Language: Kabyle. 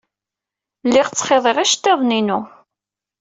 Lliɣ ttxiḍiɣ iceḍḍiḍen-inu.